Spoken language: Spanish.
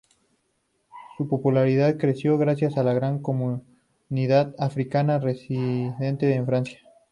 Su popularidad creció gracias a la gran comunidad africana residente en Francia.